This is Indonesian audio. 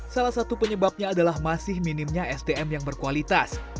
salah satu penyebabnya adalah masih minimnya sdm yang berkualitas